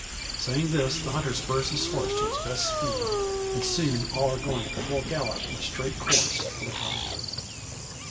Saying this, the hunter spurs his horse to its best speed; and soon all are going at full gallop in straight course for the cottonwood.